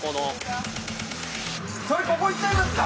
それここ置いちゃいますか。